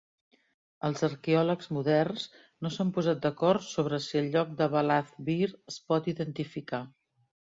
Els arqueòlegs moderns no s'han posat d'acord sobre si el lloc de Baalath-Beer es pot identificar.